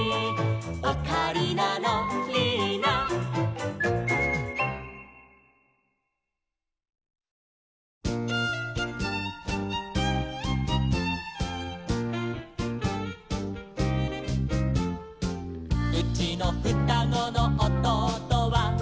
「オカリナのリーナ」「うちのふたごのおとうとは」